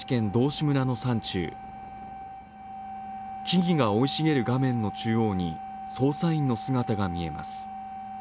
木々が生い茂る画面の中央に、捜査員の姿が見えます。